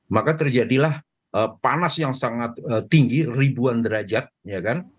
maka terjadilah panas yang sangat tinggi ribuan derajat ya kan